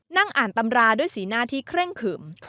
นั่งอ่านตำราด้วยสีหน้าที่เคร่งขึม